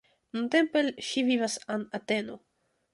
Nuntempe ŝi vivas en Ateno.